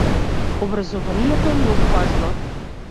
Образованието е многу важно.